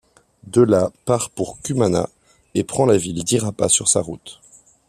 De là, part pour Cumaná, et prend la ville d'Irapa sur sa route.